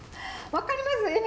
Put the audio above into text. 分かります？